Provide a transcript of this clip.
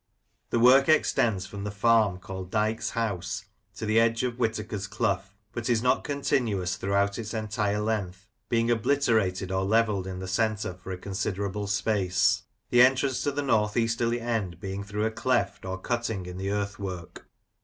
The work extends from the farm called " Dykes House," to the edge of "Whitaker's Clough," but is not continuous through out its entire length, being obliterated or levelled in the centre for a considerable space ; the entrance to the north easterly end being through a cleft or cutting in the earthwork.